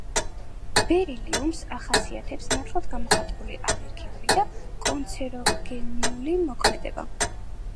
ბერილიუმს ახასიათებს ნათლად გამოხატული ალერგიული და კანცეროგენული მოქმედება.